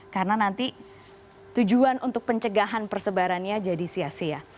karena nanti tujuan untuk pencegahan persebarannya jadi sia sia